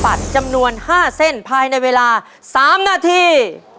บัตรจำนวน๕เส้นภายในเวลา๓นาที